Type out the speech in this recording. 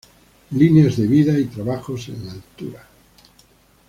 Líneas de Vida y trabajos en altura.